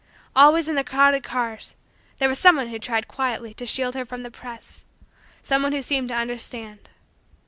Always, in the crowded cars, there was some one who tried quietly to shield her from the press some one who seemed to understand.